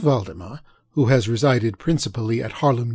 Valdemar, who has resided principally at Harlem, N.